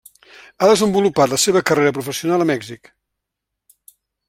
Ha desenvolupat la seva carrera professional a Mèxic.